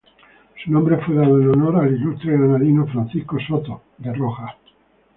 Su nombre fue dado en honor al ilustre granadino Francisco Soto.